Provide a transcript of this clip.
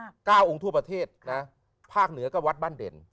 เก้าองค์ทั่วประเทศนะภาคเหนือก็วัดบ้านเด่น